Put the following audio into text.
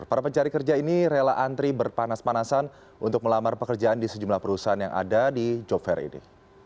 para pencari kerja ini rela antri berpanas panasan untuk melamar pekerjaan di sejumlah perusahaan yang ada di job fair ini